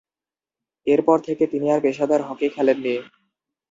এরপর থেকে তিনি আর পেশাদার হকি খেলেননি।